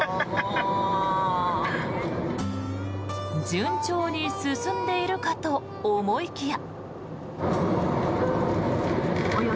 順調に進んでいるかと思いきや。